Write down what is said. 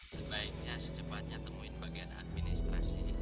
sebaiknya secepatnya temuin bagian administrasi